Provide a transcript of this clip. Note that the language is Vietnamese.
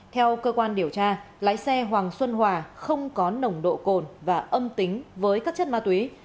theo cơ quan điều tra lái xe hoàng xuân hòa không có nồng độ cồn và âm tính với các chất ma túy